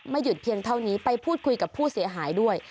หยุดเพียงเท่านี้ไปพูดคุยกับผู้เสียหายด้วย